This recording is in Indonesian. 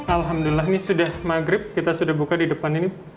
alhamdulillah ini sudah maghrib kita sudah buka di depan ini